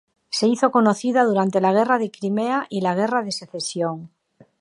Se hizo conocida durante la Guerra de Crimea y la Guerra de Secesión.